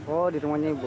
oh di rumahnya ibu